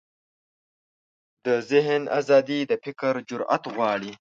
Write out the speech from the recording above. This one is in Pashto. د ذهن ازادي د فکر جرئت غواړي.